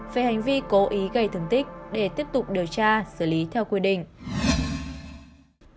về hành vi cố ý gây thương tích để tiếp tục điều tra xử lý theo quy định